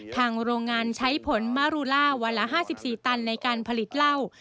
โรงงานใช้ผลมารูล่าวันละ๕๔ตันในการผลิตเหล้า